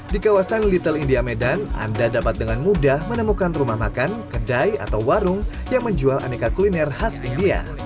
di kawasan little india medan anda dapat dengan mudah menemukan rumah makan kedai atau warung yang menjual aneka kuliner khas india